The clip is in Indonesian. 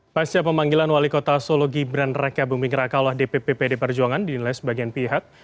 pasca pemanggilan wali kota solo gibran raka buming rakalah dpp pd perjuangan dinilai sebagian pihak